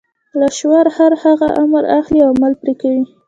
لاشعور هر هغه امر اخلي او عمل پرې کوي.